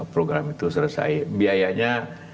program itu selesai biayanya